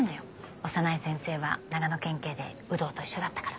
小山内先生は長野県警で有働と一緒だったから。